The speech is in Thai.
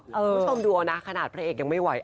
คุณผู้ชมดูเอานะขนาดพระเอกยังไม่ไหว